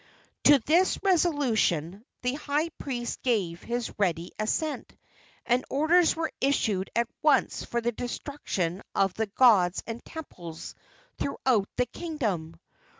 To this resolution the high priest gave his ready assent, and orders were issued at once for the destruction of the gods and temples throughout the kingdom.